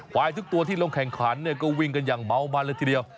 ควายทุกตัวที่ลงแข่งขันก็วิ่งกันอย่างเมามันเลยทีเดียว